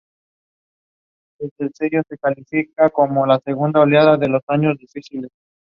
Sidibe studied in Russia and France.